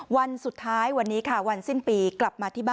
วันสุดท้ายวันนี้ค่ะวันสิ้นปีกลับมาที่บ้าน